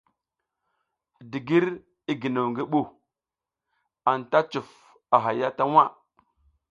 Digir, i ginew ngi ɓu, anta cuf a haya ta waʼa.